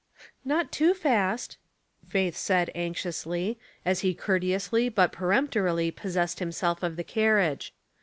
*' Not too fast," Faith said, anxiously, as he courteously but peremptorily possessed himself of the carriage.